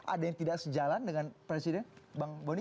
ada yang tidak sejalan dengan presiden bang boni